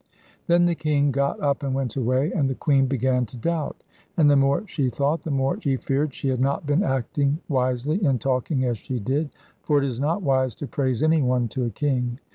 Then the king got up and went away, and the queen began to doubt; and the more she thought the more she feared she had not been acting wisely in talking as she did, for it is not wise to praise anyone to a king.